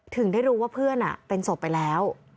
ถึงได้รู้ว่าเพื่อนเป็นศพไปแล้ว